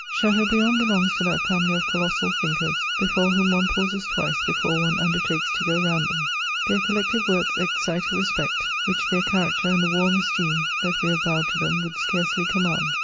Chateaubriand belongs to that family of colossal thinkers, before whom one pauses twice before one imdertakes to go round them. Their oollectiTe works excite a respect which their character and the warm esteem that we have TOwed to them would scarcely command.